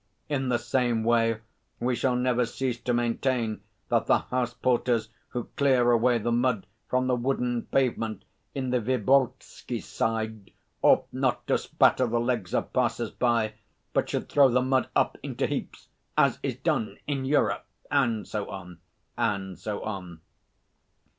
In the same way we shall never cease to maintain that the house porters who clear away the mud from the wooden pavement in the Viborgsky Side ought not to spatter the legs of passers by, but should throw the mud up into heaps as is done in Europe," and so on, and so on.